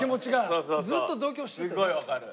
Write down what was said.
すごいわかる。